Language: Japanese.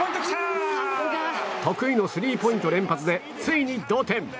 得意のスリーポイント連発でついに同点。